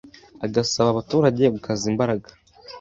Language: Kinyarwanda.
agasaba abaturage gukaza imbaraga